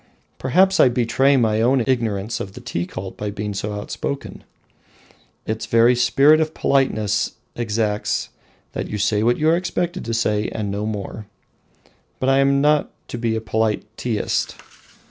Perhaps I betray my own ignorance of the Tea Cult by being so outspoken. Its very spirit of politeness exacts that you say what you are expected to say, and no more. But I am not to be a polite Teaist.